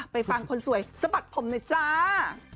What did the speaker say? ฟังคนสวยสะบัดผมหน่อยจ้า